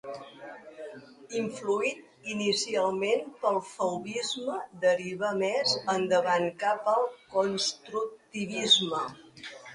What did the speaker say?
Influït inicialment pel fauvisme, deriva més endavant cap al constructivisme.